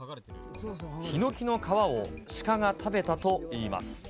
ヒノキの皮をシカが食べたといいます。